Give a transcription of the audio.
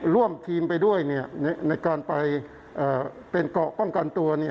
ร่วมทีมไปด้วยในการไปเป็นเกาะป้องกันตัว